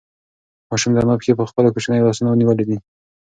ماشوم د انا پښې په خپلو کوچنیو لاسونو نیولې دي.